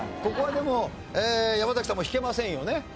ここはでも山崎さんも引けませんよね？